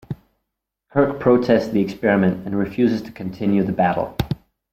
Kirk protests the experiment and refuses to continue the battle.